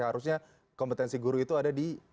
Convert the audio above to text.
harusnya kompetensi guru itu ada di